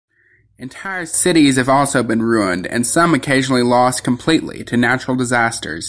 Entire cities have also been ruined, and some occasionally lost completely, to natural disasters.